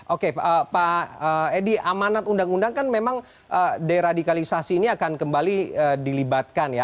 oke pak edi amanat undang undang kan memang deradikalisasi ini akan kembali dilibatkan ya